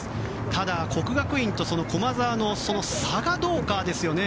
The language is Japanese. ただ、國學院と駒澤の差がどうかですよね。